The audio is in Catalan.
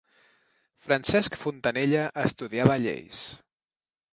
Francesc Fontanella estudiava lleis.